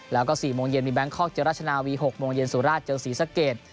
แล้วก็๔โมงเย็นมีแบงคอกเจอราชนาวี๖โมงเย็นสุราชเจอศรีสะเกด